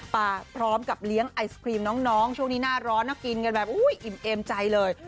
มาพร้อมกับเลี้ยงไอศครีมน้องช่วงนี้หน้าร้อนนะกินกันแบบอุ้ยอิ่มเอมใจเลย